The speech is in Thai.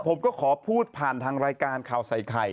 ผมก็ขอพูดผ่านทางรายการข่าวใส่ไข่